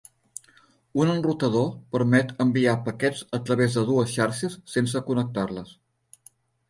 Un enrutador permet enviar paquets a través de dues xarxes sense connectar-les